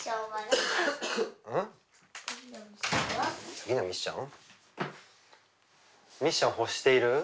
次のミッション？